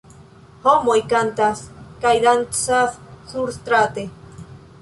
Homoj kantas kaj dancas surstrate.